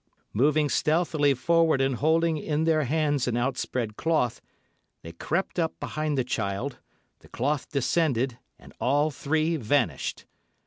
Moving stealthily forward and holding in their hands an outspread cloth, they crept up behind the child, the cloth descended, and all three vanished.